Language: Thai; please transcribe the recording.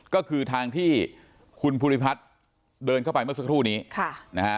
ก็คือทางที่คุณภูริพัฒน์เดินเข้าไปเมื่อสักครู่นี้ค่ะนะฮะ